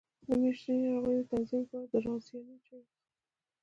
د میاشتنۍ ناروغۍ د تنظیم لپاره د رازیانې چای وڅښئ